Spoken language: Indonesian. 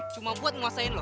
cuma buat nguasain lo